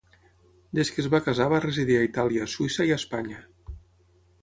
Des que es va casar va residir a Itàlia, Suïssa i a Espanya.